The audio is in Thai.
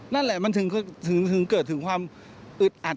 นั่นแหละมันถึงเกิดถึงความอึดอัด